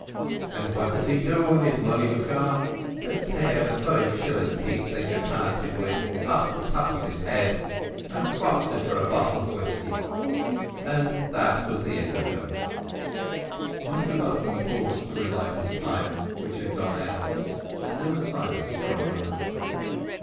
"And what does he do when his money was gone, but tear the five shillin' piece they'd japanned him wid aff the top of his hed, and swaps it for a bottle of whisky, and that was the end of him." Mr Button paused to relight his pipe, which had gone out, and there was silence for a moment.